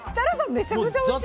めちゃくちゃおいしいよ！